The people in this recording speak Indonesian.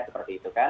seperti itu kan